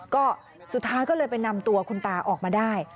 ก็สุดท้ายก็เลยไปนำตัวคุณตาออกมาได้